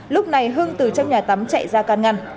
lúc này hưng từ trong nhà tắm chạy ra can ngăn